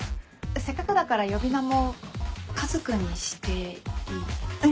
せっかくだから呼び名も「カズ君」にしていい？